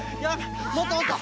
もっともっと！